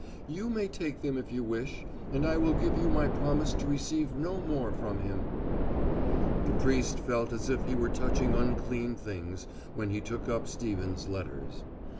You may take them if you wish and I will give you my promise to receive no more from him." The priest felt as if he were touching unclean things when he took up Stevens' letters.